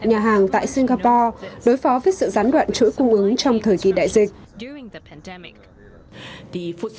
nhà hàng tại singapore đối phó với sự gián đoạn chuỗi cung ứng trong thời kỳ đại dịch